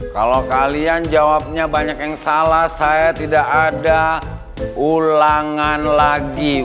kalau kalian jawabnya banyak yang salah saya tidak ada ulangan lagi